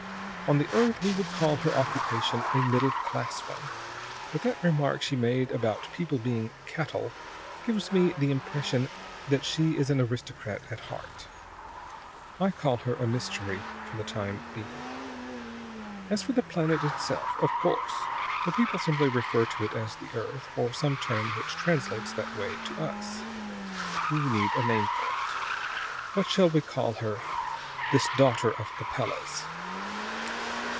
On the earth we would call her occupation a middle class one; but that remark she made about people being cattle gives me the impression that she is an aristocrat at heart. I call her a mystery, for the time being. "As for the planet itself of course, the people simply refer to it as the earth, or some term which translates that way to us. We need a name for it. What shall we call her this daughter of Capella's?"